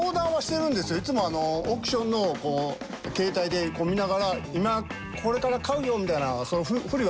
いつもオークションのを携帯で見ながら「今これから買うよ」みたいな振りは見せるんですよ。